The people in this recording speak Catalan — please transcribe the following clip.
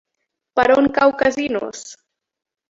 Per on cau Casinos?